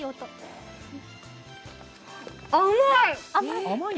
甘い！